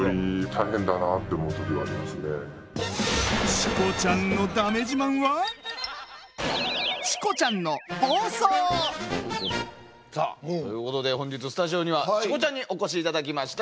しかしそんなさあということで本日スタジオにはチコちゃんにお越しいただきました。